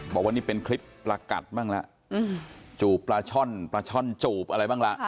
บอกว่านี่เป็นคลิปปลากัดบ้างละจูบปลาช่อนปลาช่อนจูบอะไรบ้างล่ะ